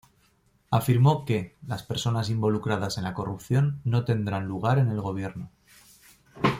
Afirmó que "las personas involucradas en la corrupción no tendrán lugar en el gobierno".